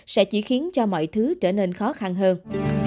sẽ chỉ khiến cho mọi thứ trở nên khó khăn hơn